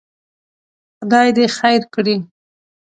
خدای دې خیر کړي.